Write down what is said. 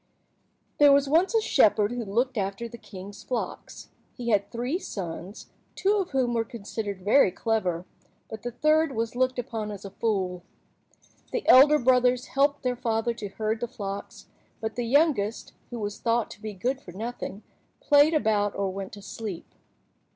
THERE was once a shepherd who looked after the king's flocks. He had three sons, two of whom were considered very clever, but the third was looked upon as a fool. The elder brothers helped their father to herd the flocks, but the youngest, who was thought to be good for nothing, played about or went to sleep.